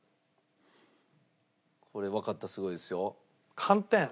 これわかったらすごいですよ。